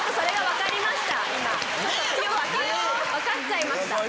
分かっちゃいました。